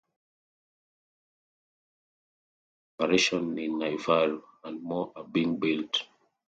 There are two guest houses in operation in Naifaru, and more are being built.